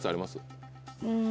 うん。